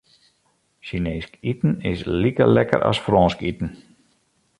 Sjineesk iten is like lekker as Frânsk iten.